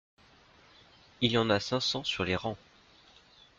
Il y en a cinq cents sur les rangs.